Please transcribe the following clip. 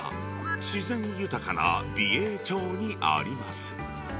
自然豊かな美瑛町にあります。